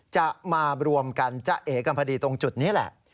จะมารวมกันจะเอกันพอดีตรงจุดนี้แหละ